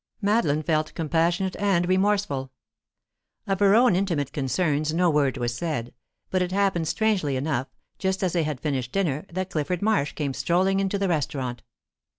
Madeline felt compassionate and remorseful. Of her own intimate concerns no word was said, but it happened strangely enough, just as they had finished dinner, that Clifford Marsh came strolling into the restaurant.